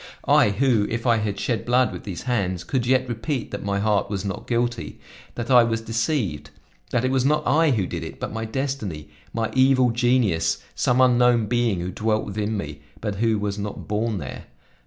I, who, if I had shed blood with these hands, could yet repeat that my heart was not guilty; that I was deceived, that it was not I who did it, but my destiny, my evil genius, some unknown being who dwelt within me, but who was not born there!